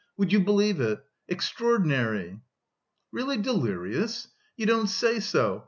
Would you believe it! Extraordinary!" "Really delirious? You don't say so!"